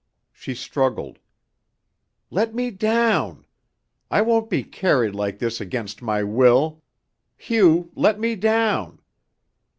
She struggled. "Let me down. I won't be carried like this against my will. Hugh, let me down!"